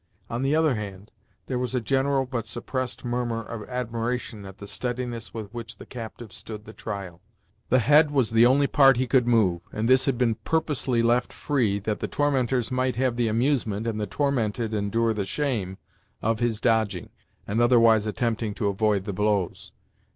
On the other hand, there was a general but suppressed murmur of admiration at the steadiness with which the captive stood the trial. The head was the only part he could move, and this had been purposely left free, that the tormentors might have the amusement, and the tormented endure the shame, of his dodging, and otherwise attempting to avoid the blows.